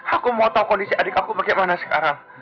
aku mau tahu kondisi adik aku bagaimana sekarang